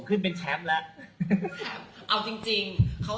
เอาจริง